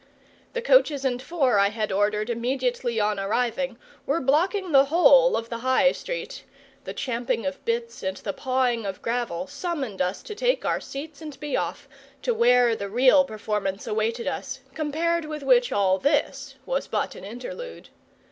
The coaches and four I had ordered immediately on arriving were blocking the whole of the High Street; the champing of bits and the pawing of gravel summoned us to take our seats and be off, to where the real performance awaited us, compared with which all this was but an interlude.